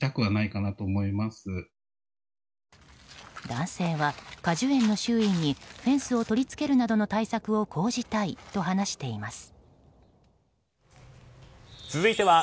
男性は果樹園の周囲にフェンスを取り付けるなどの対策を講じたいと話しています。